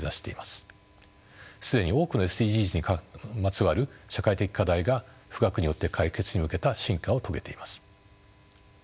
既に多くのＳＤＧｓにまつわる社会的課題が富岳によって解決に向けた進化を遂げています。